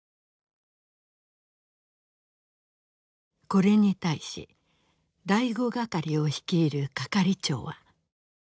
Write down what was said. これに対し第五係を率いる係長は。